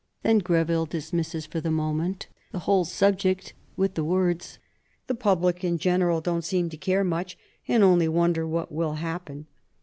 Then Greville dismisses, for the moment, the whole subject with the words: "The public in general don't seem to care much, and only wonder what will happen."